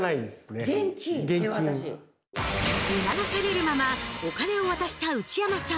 促されるままお金を渡した内山さん。